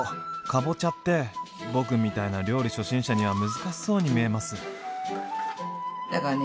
かぼちゃって僕みたいな料理初心者には難しそうに見えます。